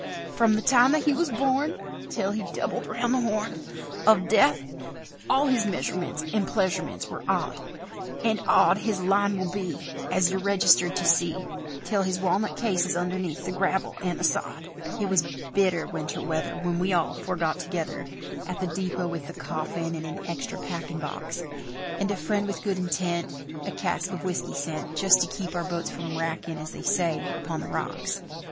"Frum the time that he was born Till he doubled round the Horn Of Death, all his measurements and pleasurements were odd; And odd his line will be, As you're registered to see, Till his walnut case is underneath the gravel and the sod." It was bitter winter weather When we all four got together At the depôt with the coffin in an extra packin' box; And a friend with good intent, A cask of whisky sent, Just to keep our boats from wrackin', as they say, upon the rocks.